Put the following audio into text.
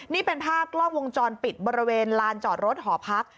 นี่เป็นภาพกล้องวงจรปิดบริเวณลานจอดรถหอพัก